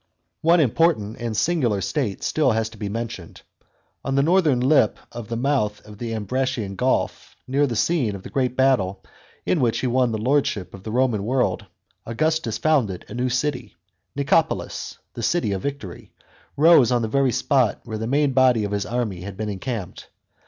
One important and singular state has still to be mentioned. On the northern lip of the mouth of the Ambracian gulf, near the scene of the great battle in which he won the lordship of the Roman world, Augustus founded a new city. Nicopolis, "the city of victory," rose on the very spot where the main body of his army had been encamped.